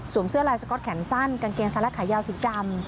เสื้อลายสก๊อตแขนสั้นกางเกงสลักขายาวสีดำ